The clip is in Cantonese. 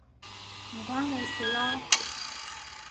唔關你事囉